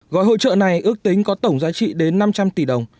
gọi hội trợ này ước tính có tổng giá trị đến năm trăm linh tỷ đồng